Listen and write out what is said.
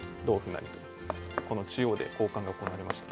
成とこの中央で交換が行われまして。